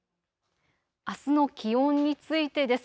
あすの気温についてです。